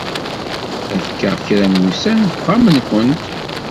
Ad kkeɣ kra n wussan deg uxxam-nwent.